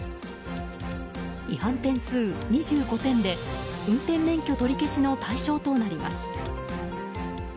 違反点数２５点で運転免許取り消しの対象となります。